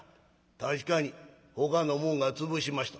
確かにほかの者が潰しました」。